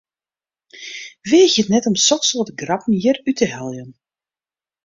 Weagje it net om soksoarte grappen hjir út te heljen!